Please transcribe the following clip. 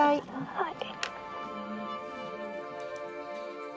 ☎はい。